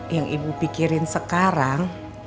yang ibu pikirin sekarang